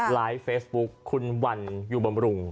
ไลฟ์เฟซบุ๊คคุณวันอยู่บำรุง